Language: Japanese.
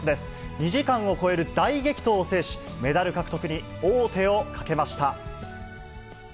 ２時間を超える大激闘を制し、メダル獲得に王手をかけました。